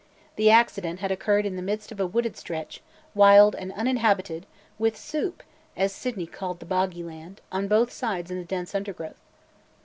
The accident had occurred in the midst of a wooded stretch, wild and uninhabited, with "soup" (as Sydney called the boggy land) on both sides in the dense undergrowth.